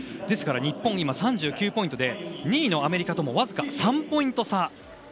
ですから日本は３９ポイントで２位のアメリカともわずか３ポイント差。